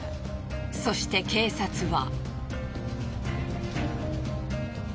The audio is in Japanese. そして警察は。